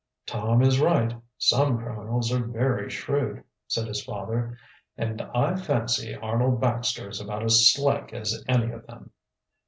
"Tom is right; some criminals are very shrewd," said his father. "And I fancy Arnold Baxter is about as slick as any of them."